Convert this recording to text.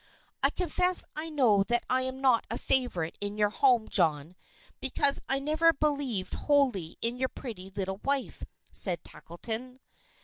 "I confess I know that I am not a favorite in your home, John, because I never believed wholly in your pretty little wife," said Tackleton.